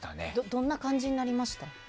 どんな感じになりました？